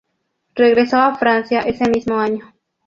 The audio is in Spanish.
Regresó a Francia ese mismo año.